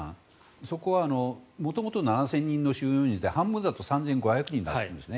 そこは元々７０００人の収容人数で半分だと３５００人だったんですね。